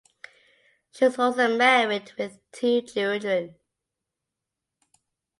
She was also married with two children.